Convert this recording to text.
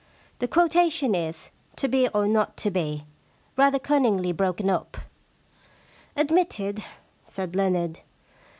' The quotation is, "To be or not to be,*' rather cunningly broken up.* * Admitted,' said Leonard.